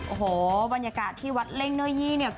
โอ้โฮบรรยากาศที่วัดเล่งเนยี่นี่นะครับ